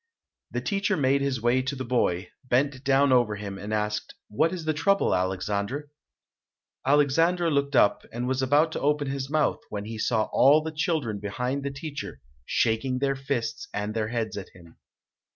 The teacher made his way to the boy, bent down over him, and asked, "What is the trouble, Alexandre?" Alexandre looked up and was about to open his mouth, when he saw all the children behind the teacher shaking their fists and their heads at him.